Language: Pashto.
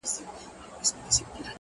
• چي اغیار یې بې ضمیر جوړ کړ ته نه وې,,!